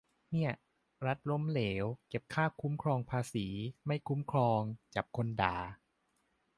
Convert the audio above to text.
เนี่ย รัฐล้มเหลว เก็บค่าคุ้มครองภาษี ไม่คุ้มครอง จับคนด่า